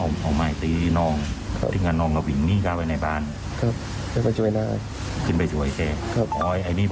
อ๋อคือมันก่อนมันก่อเหตุมันเล่งไว้ไหม